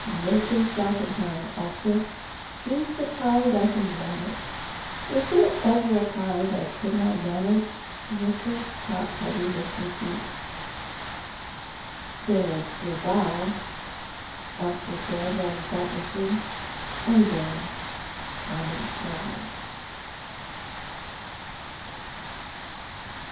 "Make yourself at home, Elspeth; he's the kind I can manage. Was there ever a kind I couldna manage?" he whispered, top heavy with conceit. "There was Grizel," Elspeth said, rather thoughtlessly; and then Tommy frowned.